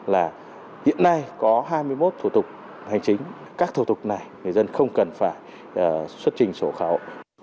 là hiện nay có hai mươi một thủ tục hành chính các thủ tục này người dân không cần phải xuất trình sổ khẩu